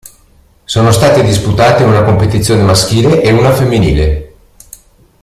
Sono state disputate una competizione maschile e una femminile.